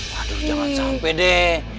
waduh jangan sampai deh